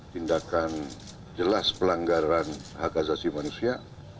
tindakan jelas pelanggaran hak asasi manusia